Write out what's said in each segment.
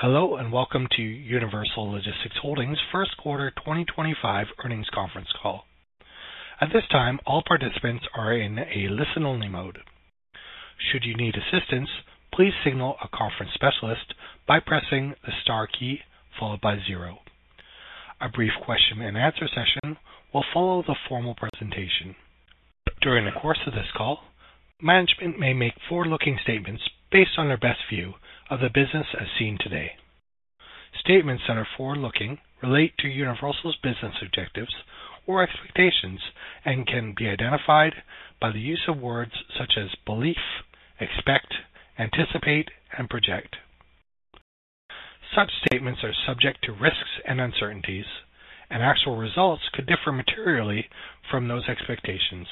Hello and welcome to Universal Logistics Holdings' First Quarter 2025 Earnings Conference Call. At this time, all participants are in a listen-only mode. Should you need assistance, please signal a conference specialist by pressing the star key followed by zero. A brief question-and-answer session will follow the formal presentation. During the course of this call, management may make forward-looking statements based on their best view of the business as seen today. Statements that are forward-looking relate to Universal's business objectives or expectations and can be identified by the use of words such as belief, expect, anticipate, and project. Such statements are subject to risks and uncertainties, and actual results could differ materially from those expectations.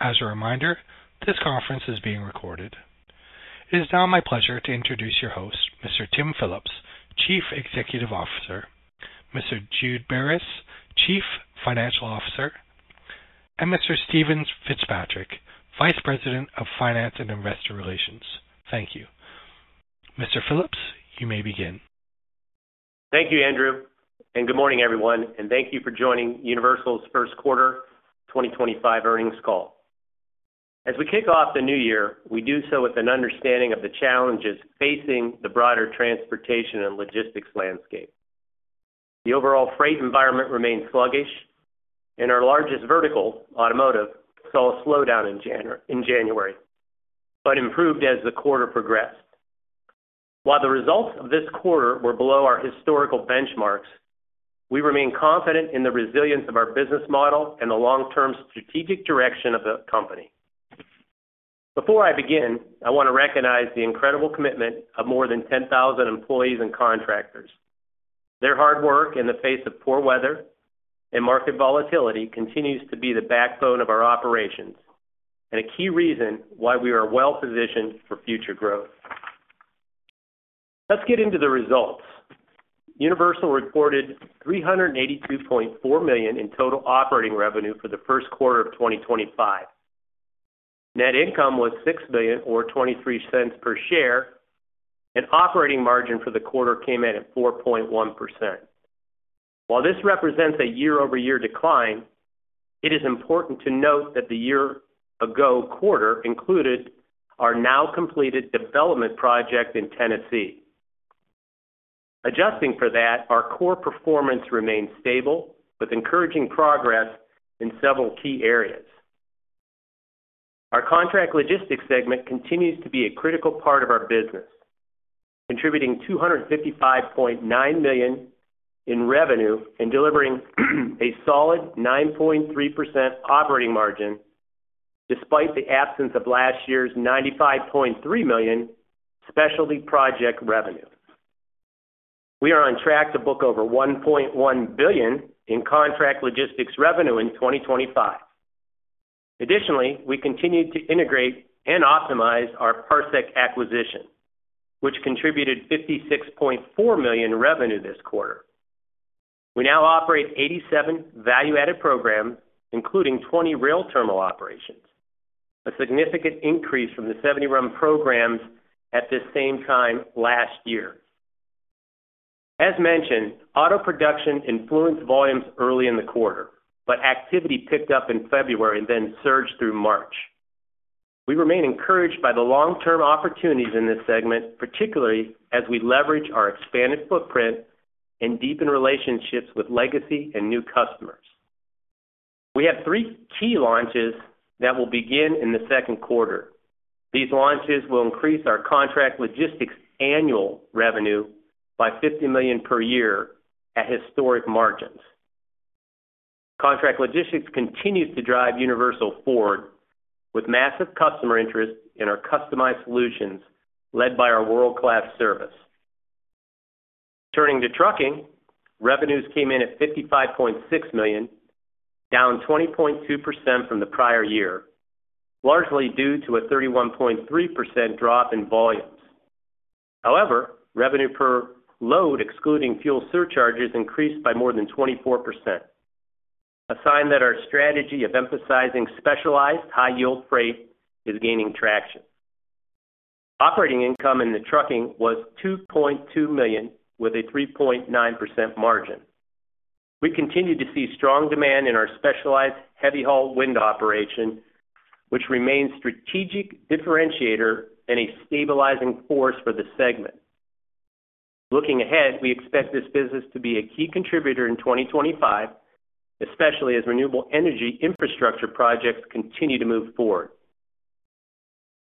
As a reminder, this conference is being recorded. It is now my pleasure to introduce your host, Mr. Tim Phillips, Chief Executive Officer; Mr. Jude Beres, Chief Financial Officer; and Mr. Steven Fitzpatrick, Vice President of Finance and Investor Relations. Thank you. Mr. Phillips, you may begin. Thank you, Andrew. Good morning, everyone. Thank you for joining Universal's First Quarter 2025 Earnings Call. As we kick off the new year, we do so with an understanding of the challenges facing the broader transportation and logistics landscape. The overall freight environment remains sluggish, and our largest vertical, automotive, saw a slowdown in January but improved as the quarter progressed. While the results of this quarter were below our historical benchmarks, we remain confident in the resilience of our business model and the long-term strategic direction of the company. Before I begin, I want to recognize the incredible commitment of more than 10,000 employees and contractors. Their hard work in the face of poor weather and market volatility continues to be the backbone of our operations and a key reason why we are well-positioned for future growth. Let's get into the results. Universal reported $382.4 million in total operating revenue for the Q1 of 2025. Net income was $0.23 per share, and operating margin for the quarter came in at 4.1%. While this represents a year-over-year decline, it is important to note that the year-ago quarter included our now-completed development project in Tennessee. Adjusting for that, our core performance remains stable, with encouraging progress in several key areas. Our contract logistics segment continues to be a critical part of our business, contributing $255.9 million in revenue and delivering a solid 9.3% operating margin despite the absence of last year's $95.3 million specialty project revenue. We are on track to book over $1.1 billion in contract logistics revenue in 2025. Additionally, we continue to integrate and optimize our Parsec acquisition, which contributed $56.4 million in revenue this quarter. We now operate 87 value-added programs, including 20 rail terminal operations, a significant increase from the 70-run programs at the same time last year. As mentioned, auto production influenced volumes early in the quarter, but activity picked up in February and then surged through March. We remain encouraged by the long-term opportunities in this segment, particularly as we leverage our expanded footprint and deepen relationships with legacy and new customers. We have three key launches that will begin in the Q2. These launches will increase our contract logistics annual revenue by $50 million per year at historic margins. Contract logistics continues to drive Universal forward with massive customer interest in our customized solutions led by our world-class service. Turning to trucking, revenues came in at $55.6 million, down 20.2% from the prior year, largely due to a 31.3% drop in volumes. However, revenue per load, excluding fuel surcharges, increased by more than 24%, a sign that our strategy of emphasizing specialized, high-yield freight is gaining traction. Operating income in the trucking was $2.2 million, with a 3.9% margin. We continue to see strong demand in our specialized heavy-haul wind operation, which remains a strategic differentiator and a stabilizing force for the segment. Looking ahead, we expect this business to be a key contributor in 2025, especially as renewable energy infrastructure projects continue to move forward.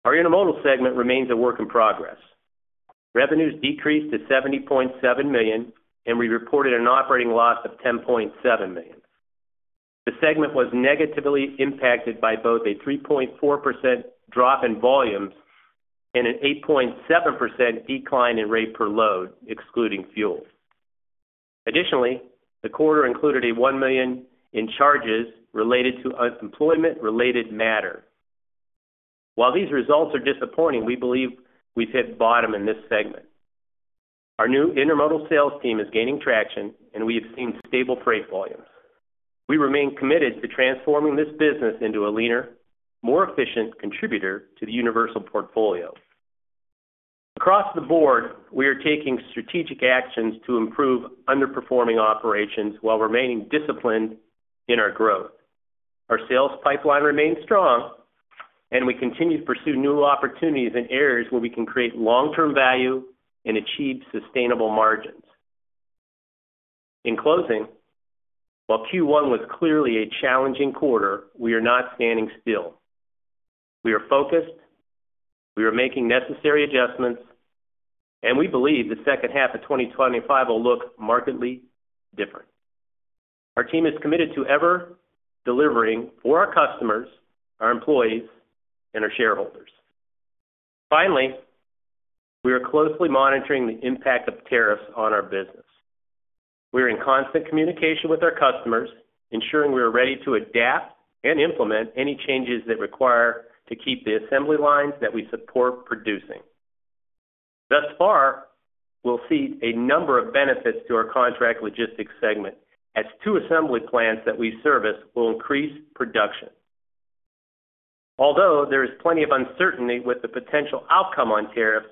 Our intermodal segment remains a work in progress. Revenues decreased to $70.7 million, and we reported an operating loss of $10.7 million. The segment was negatively impacted by both a 3.4% drop in volumes and an 8.7% decline in rate per load, excluding fuel. Additionally, the quarter included $1 million in charges related to unemployment-related matters. While these results are disappointing, we believe we've hit the bottom in this segment. Our new intermodal sales team is gaining traction, and we have seen stable freight volumes. We remain committed to transforming this business into a leaner, more efficient contributor to the Universal portfolio. Across the board, we are taking strategic actions to improve underperforming operations while remaining disciplined in our growth. Our sales pipeline remains strong, and we continue to pursue new opportunities in areas where we can create long-term value and achieve sustainable margins. In closing, while Q1 was clearly a challenging quarter, we are not standing still. We are focused. We are making necessary adjustments, and we believe the H2 of 2025 will look markedly different. Our team is committed to ever delivering for our customers, our employees, and our shareholders. Finally, we are closely monitoring the impact of tariffs on our business. We are in constant communication with our customers, ensuring we are ready to adapt and implement any changes that are required to keep the assembly lines that we support producing. Thus far, we will see a number of benefits to our contract logistics segment as two assembly plants that we service will increase production. Although there is plenty of uncertainty with the potential outcome on tariffs,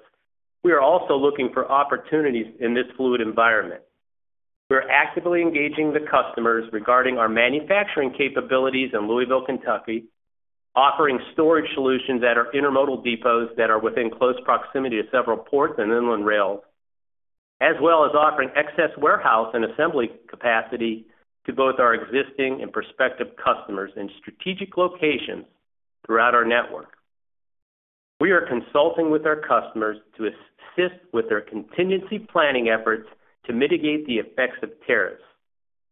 we are also looking for opportunities in this fluid environment. We are actively engaging the customers regarding our manufacturing capabilities in Louisville, Kentucky, offering storage solutions at our intermodal depots that are within close proximity to several ports and inland rails, as well as offering excess warehouse and assembly capacity to both our existing and prospective customers in strategic locations throughout our network. We are consulting with our customers to assist with their contingency planning efforts to mitigate the effects of tariffs,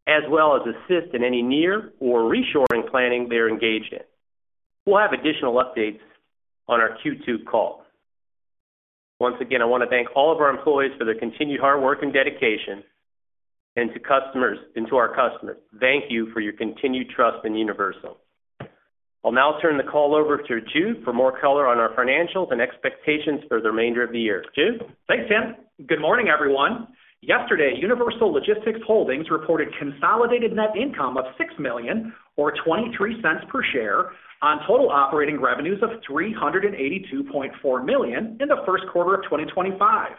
as well as assist in any near or reshoring planning they are engaged in. We'll have additional updates on our Q2 call. Once again, I want to thank all of our employees for their continued hard work and dedication and to our customers. Thank you for your continued trust in Universal. I'll now turn the call over to Jude for more color on our financials and expectations for the remainder of the year. Jude. Thanks, Tim. Good morning, everyone. Yesterday, Universal Logistics Holdings reported consolidated net income of $6.23 million, or $0.23 per share, on total operating revenues of $382.4 million in the Q1 of 2025.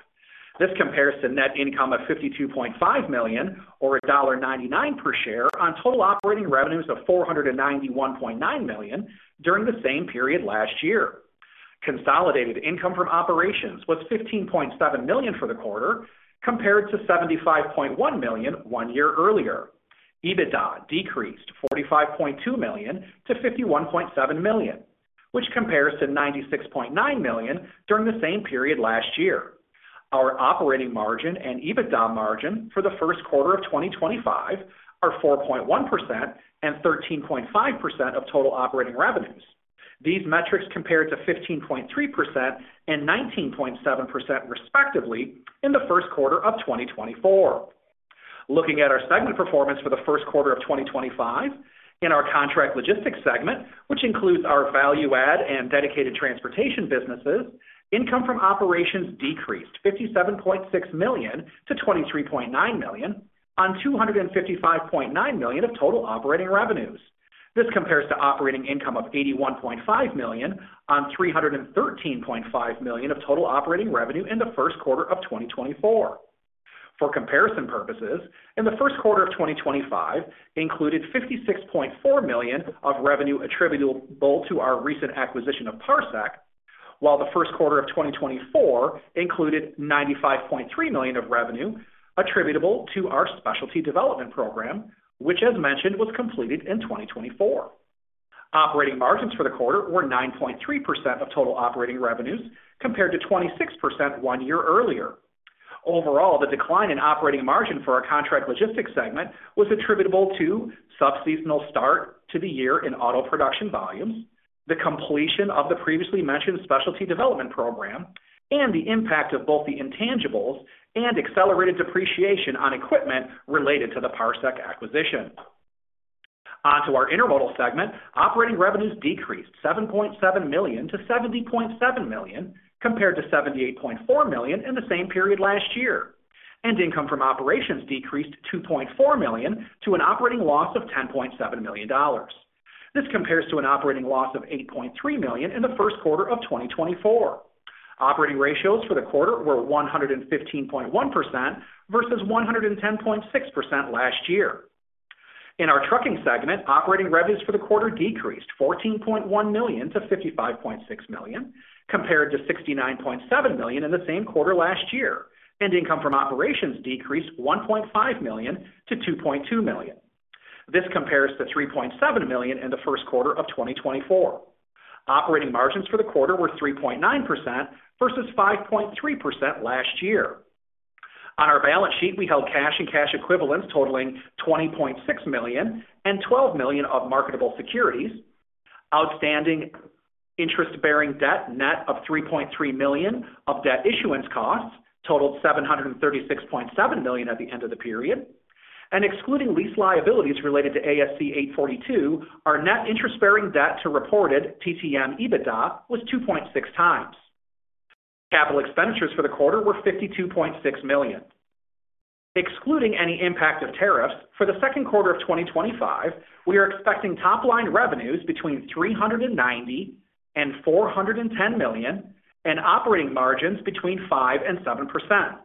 This compares to net income of $52.5 million, or $1.99 per share, on total operating revenues of $491.9 million during the same period last year. Consolidated income from operations was $15.7 million for the quarter, compared to $75.1 million one year earlier. EBITDA decreased $45.2 to 51.7 million, which compares to $96.9 million during the same period last year. Our operating margin and EBITDA margin for the Q1 of 2025 are 4.1% and 13.5% of total operating revenues. These metrics compare to 15.3% and 19.7%, respectively, in the Q1 of 2024. Looking at our segment performance for the Q1 of 2025, in our contract logistics segment, which includes our value-add and dedicated transportation businesses, income from operations decreased $57.6 to 23.9 million on $255.9 million of total operating revenues. This compares to operating income of $81.5 million on $313.5 million of total operating revenue in the Q1 of 2024. For comparison purposes, in the Q1 of 2025, included $56.4 million of revenue attributable to our recent acquisition of Parsec, while the Q1 of 2024 included $95.3 million of revenue attributable to our specialty development program, which, as mentioned, was completed in 2024. Operating margins for the quarter were 9.3% of total operating revenues, compared to 26% one year earlier. Overall, the decline in operating margin for our contract logistics segment was attributable to subseasonal start to the year in auto production volumes, the completion of the previously mentioned specialty development program, and the impact of both the intangibles and accelerated depreciation on equipment related to the Parsec acquisition. Onto our intermodal segment, operating revenues decreased $7.7 to 70.7 million, compared to $78.4 million in the same period last year, and income from operations decreased $2.4 million to an operating loss of $10.7 million. This compares to an operating loss of $8.3 million in the Q1 of 2024. Operating ratios for the quarter were 115.1% versus 110.6% last year. In our trucking segment, operating revenues for the quarter decreased $14.1 to 55.6 million, compared to $69.7 million in the same quarter last year, and income from operations decreased $1.5 to 2.2 million. This compares to $3.7 million in the Q1 of 2024. Operating margins for the quarter were 3.9% versus 5.3% last year. On our balance sheet, we held cash and cash equivalents totaling $20.6 million and $12 million of marketable securities. Outstanding interest-bearing debt, net of $3.3 million of debt issuance costs, totaled $736.7 million at the end of the period, and excluding lease liabilities related to ASC 842, our net interest-bearing debt to reported TTM EBITDA was 2.6x. Capital expenditures for the quarter were $52.6 million. Excluding any impact of tariffs, for the Q2 of 2025, we are expecting top-line revenues between $390 million and $410 million and operating margins between 5% and 7%,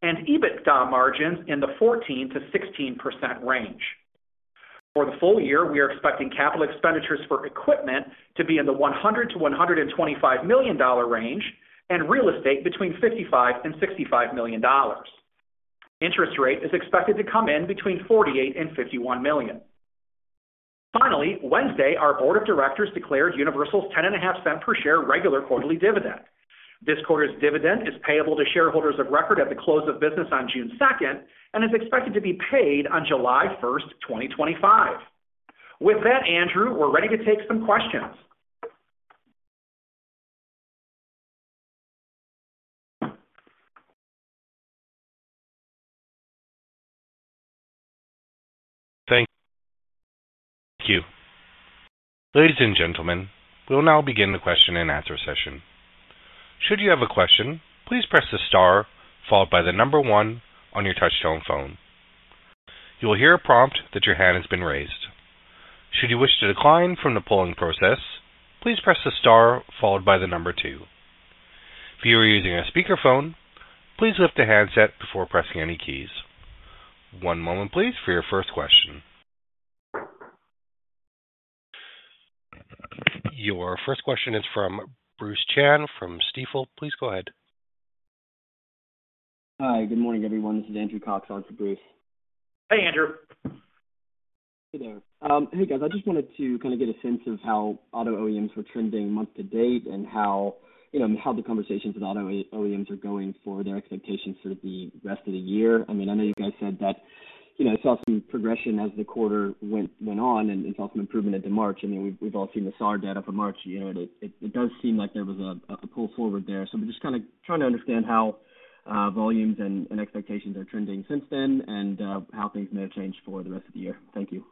and EBITDA margins in the 14% to 16% range. For the full year, we are expecting capital expenditures for equipment to be in the $100 to 125 million range and real estate between $55 to $65 million. Interest rate is expected to come in between $48-$51 million. Finally, Wednesday, our board of directors declared Universal's 10.5 per share regular quarterly dividend. This quarter's dividend is payable to shareholders of record at the close of business on 02 June 2025 and is expected to be paid on 01 July 2025. With that, Andrew, we're ready to take some questions. Thank you. Ladies and gentlemen, we will now begin the question and answer session. Should you have a question, please press the star followed by the number one on your touch-tone phone. You will hear a prompt that your hand has been raised. Should you wish to decline from the polling process, please press the star followed by the number two. If you are using a speakerphone, please lift the handset before pressing any keys. One moment, please, for your first question. Your first question is from Bruce Chan from Stifel. Please go ahead. Hi, good morning, everyone. This is Andrew Cox on for Bruce. Hey, Andrew. Hey, there. Hey, guys. I just wanted to kind of get a sense of how auto OEMs were trending month-to-date and how the conversations with auto OEMs are going for their expectations for the rest of the year. I mean, I know you guys said that you saw some progression as the quarter went on and saw some improvement into March. I mean, we've all seen the SAR data for March. It does seem like there was a pull forward there. We are just kind of trying to understand how volumes and expectations are trending since then and how things may have changed for the rest of the year. Thank you.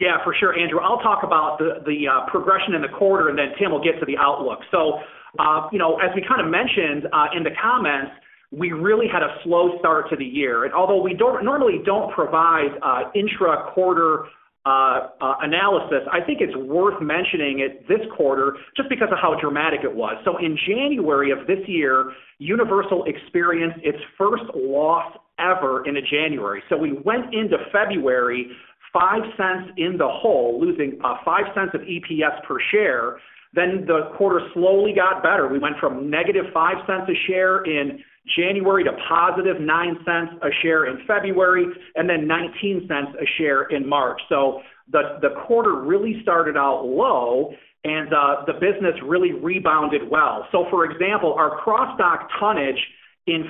Yeah, for sure, Andrew. I'll talk about the progression in the quarter, and Tim will get to the outlook. As we kind of mentioned in the comments, we really had a slow start to the year. Although we normally do not provide intra-quarter analysis, I think it's worth mentioning it this quarter just because of how dramatic it was. In January of this year, Universal experienced its first loss ever in January. We went into February $0.05 in the hole, losing $0.05 of EPS per share. The quarter slowly got better. We went from negative $0.05 a share in January to positive $0.09 a share in February and then $0.19 a share in March. The quarter really started out low, and the business really rebounded well. For example, our cross-dock tonnage in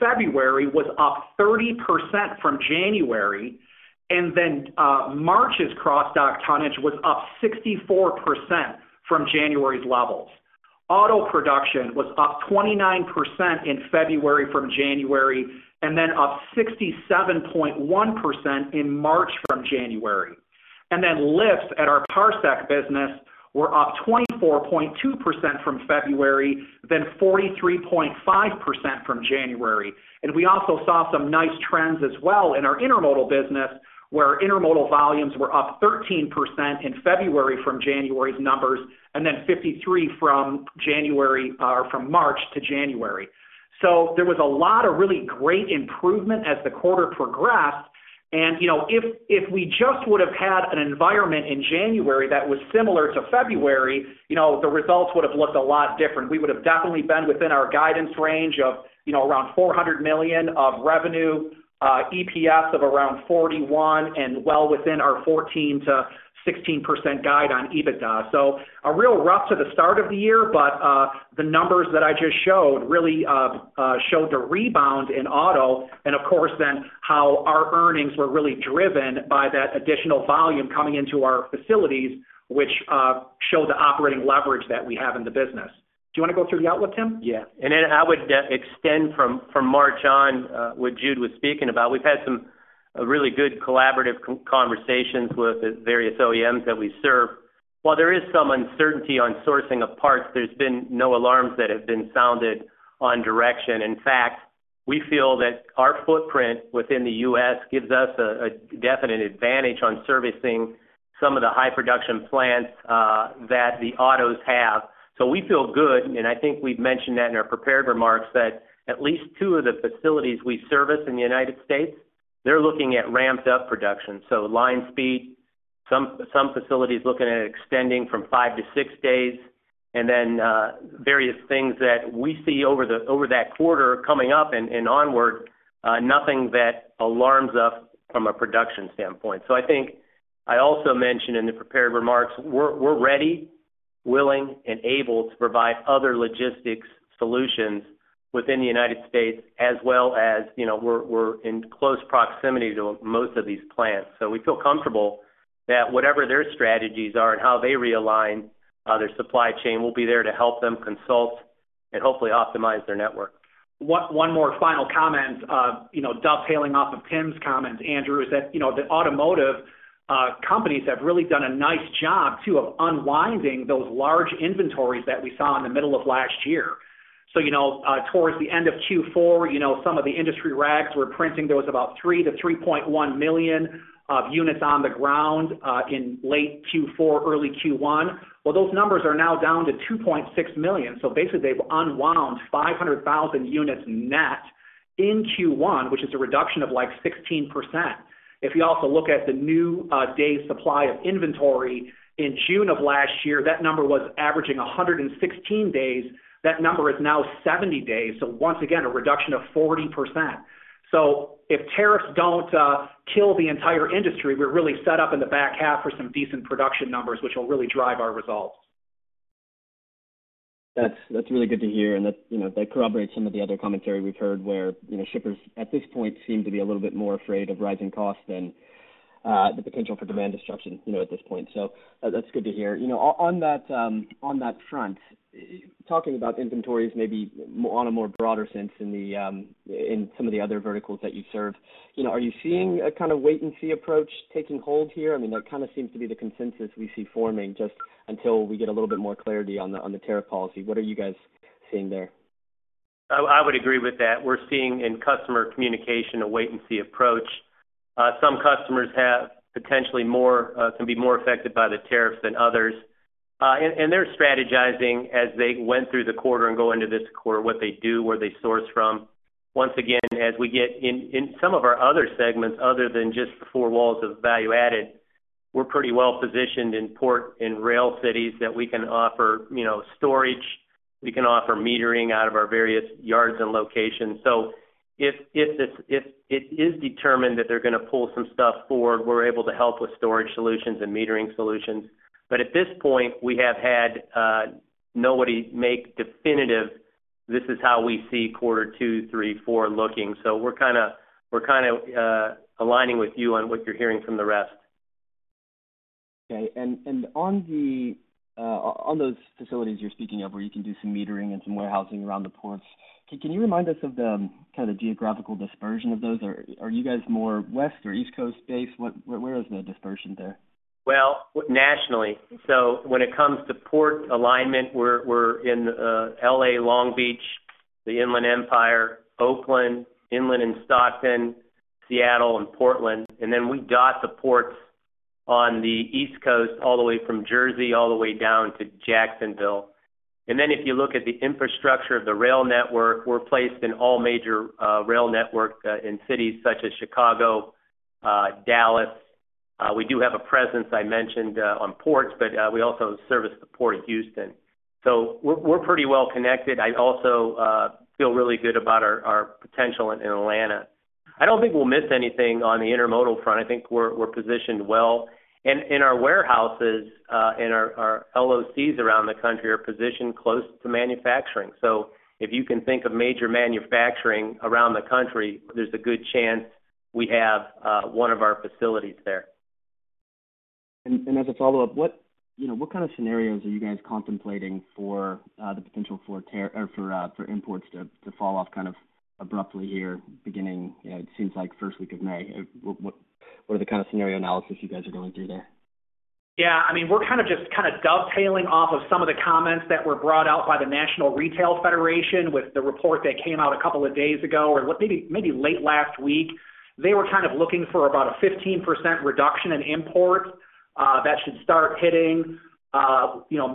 February was up 30% from January, and then March's cross-dock tonnage was up 64% from January's levels. Auto production was up 29% in February from January and then up 67.1% in March from January. Lifts at our Parsec business were up 24.2% from February, then 43.5% from January. We also saw some nice trends as well in our intermodal business, where intermodal volumes were up 13% in February from January's numbers and then 53% from March to January. There was a lot of really great improvement as the quarter progressed. If we just would have had an environment in January that was similar to February, the results would have looked a lot different. We would have definitely been within our guidance range of around $400 million of revenue, EPS of around $0.41, and well within our 14%-16% guide on EBITDA. A real rough to the start of the year, but the numbers that I just showed really showed the rebound in auto and, of course, then how our earnings were really driven by that additional volume coming into our facilities, which showed the operating leverage that we have in the business. Do you want to go through the outlook, Tim? Yeah. I would extend from March on what Jude was speaking about. We've had some really good collaborative conversations with the various OEMs that we serve. While there is some uncertainty on sourcing of parts, there's been no alarms that have been sounded on direction. In fact, we feel that our footprint within the U.S. gives us a definite advantage on servicing some of the high production plants that the autos have. We feel good, and I think we've mentioned that in our prepared remarks, that at least two of the facilities we service in the United States, they're looking at ramped-up production. Line speed, some facilities looking at extending from five to six days, and then various things that we see over that quarter coming up and onward, nothing that alarms us from a production standpoint. I think I also mentioned in the prepared remarks, we're ready, willing, and able to provide other logistics solutions within the United States, as well as we're in close proximity to most of these plants. We feel comfortable that whatever their strategies are and how they realign their supply chain, we'll be there to help them consult and hopefully optimize their network. One more final comment, dovetailing off of Tim's comments, Andrew, is that the automotive companies have really done a nice job too of unwinding those large inventories that we saw in the middle of last year. Towards the end of Q4, some of the industry rags were printing there was about 3 to 3.1 million units on the ground in late Q4, early Q1. Those numbers are now down to 2.6 million. Basically, they've unwound 500,000 units net in Q1, which is a reduction of like 16%. If you also look at the new day's supply of inventory in June of last year, that number was averaging 116 days. That number is now 70 days. Once again, a reduction of 40%. If tariffs do not kill the entire industry, we are really set up in the back half for some decent production numbers, which will really drive our results. That's really good to hear. That corroborates some of the other commentary we've heard where shippers at this point seem to be a little bit more afraid of rising costs than the potential for demand destruction at this point. That's good to hear. On that front, talking about inventories maybe on a more broader sense in some of the other verticals that you serve, are you seeing a kind of wait-and-see approach taking hold here? I mean, that kind of seems to be the consensus we see forming just until we get a little bit more clarity on the tariff policy. What are you guys seeing there? I would agree with that. We're seeing in customer communication a wait-and-see approach. Some customers potentially can be more affected by the tariffs than others. They're strategizing as they went through the quarter and go into this quarter what they do, where they source from. Once again, as we get in some of our other segments other than just the four walls of value-added, we're pretty well positioned in port and rail cities that we can offer storage. We can offer metering out of our various yards and locations. If it is determined that they're going to pull some stuff forward, we're able to help with storage solutions and metering solutions. At this point, we have had nobody make definitive this is how we see Q2, Q3, Q4 looking. We're kind of aligning with you on what you're hearing from the rest. Okay. On those facilities you're speaking of where you can do some metering and some warehousing around the ports, can you remind us of the kind of geographical dispersion of those? Are you guys more west or east coast based? Where is the dispersion there? Nationally, when it comes to port alignment, we're in LA, Long Beach, the Inland Empire, Oakland, Inland and Stockton, Seattle, and Portland. We dot the ports on the east coast all the way from Jersey all the way down to Jacksonville. If you look at the infrastructure of the rail network, we're placed in all major rail networks in cities such as Chicago and Dallas. We do have a presence I mentioned on ports, but we also service the port of Houston. We're pretty well connected. I also feel really good about our potential in Atlanta. I don't think we'll miss anything on the intermodal front. I think we're positioned well. Our warehouses and our LOCs around the country are positioned close to manufacturing. If you can think of major manufacturing around the country, there's a good chance we have one of our facilities there. As a follow-up, what kind of scenarios are you guys contemplating for the potential for imports to fall off kind of abruptly here beginning, it seems like, first week of May? What are the kind of scenario analysis you guys are going through there? Yeah. I mean, we're kind of just dovetailing off of some of the comments that were brought out by the National Retail Federation with the report that came out a couple of days ago or maybe late last week. They were kind of looking for about a 15% reduction in imports that should start hitting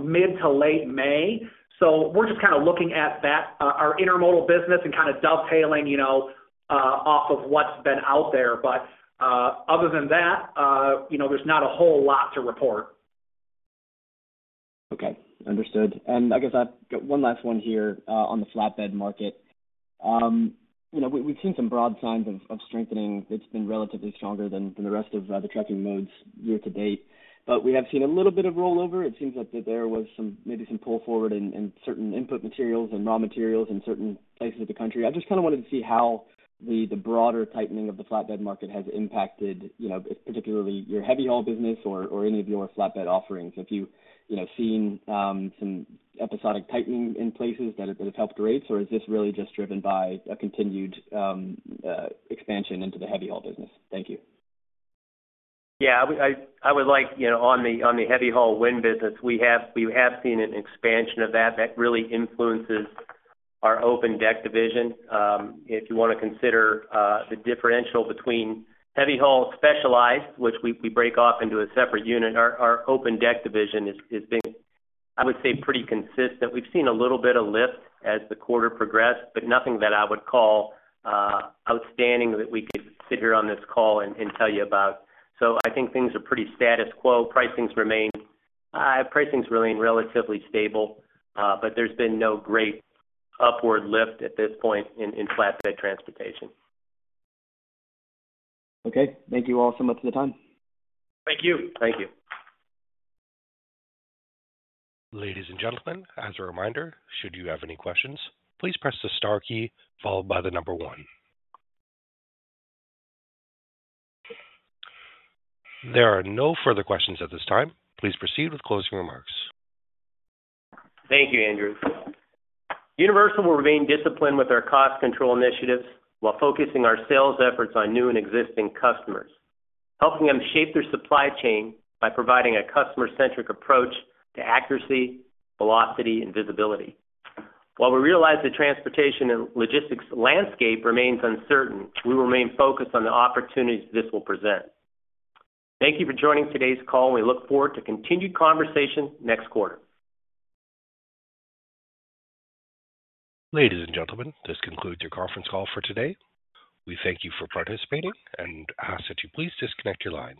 mid to late May. We're just kind of looking at our intermodal business and kind of dovetailing off of what's been out there. Other than that, there's not a whole lot to report. Okay. Understood. I guess I've got one last one here on the flatbed market. We've seen some broad signs of strengthening. It's been relatively stronger than the rest of the trucking modes year to date. We have seen a little bit of rollover. It seems that there was maybe some pull forward in certain input materials and raw materials in certain places of the country. I just kind of wanted to see how the broader tightening of the flatbed market has impacted particularly your heavy haul business or any of your flatbed offerings. Have you seen some episodic tightening in places that have helped rates, or is this really just driven by a continued expansion into the heavy haul business? Thank you. Yeah. I would like on the heavy haul wind business, we have seen an expansion of that that really influences our open deck division. If you want to consider the differential between heavy haul specialized, which we break off into a separate unit, our open deck division has been, I would say, pretty consistent. We've seen a little bit of lift as the quarter progressed, but nothing that I would call outstanding that we could sit here on this call and tell you about. I think things are pretty status quo. Pricing's remained relatively stable, but there's been no great upward lift at this point in flatbed transportation. Okay. Thank you all so much for the time. Thank you. Thank you. Ladies and gentlemen, as a reminder, should you have any questions, please press the star key followed by the number one. There are no further questions at this time. Please proceed with closing remarks. Thank you, Andrew. Universal will remain disciplined with our cost control initiatives while focusing our sales efforts on new and existing customers, helping them shape their supply chain by providing a customer-centric approach to accuracy, velocity, and visibility. While we realize the transportation and logistics landscape remains uncertain, we will remain focused on the opportunities this will present. Thank you for joining today's call, and we look forward to continued conversation next quarter. Ladies and gentlemen, this concludes your conference call for today. We thank you for participating and ask that you please disconnect your lines.